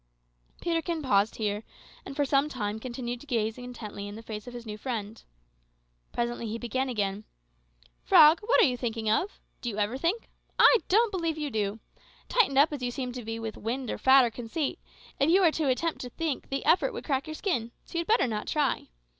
Peterkin paused here, and for some time continued to gaze intently in the face of his new friend. Presently he began again "Frog, what are you thinking of? Do you ever think? I don't believe you do. Tightened up as you seem to be with wind or fat or conceit, if you were to attempt to think the effort would crack your skin, so you'd better not try.